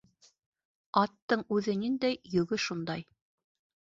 Аттың үҙе ниндәй, йөгө шундай.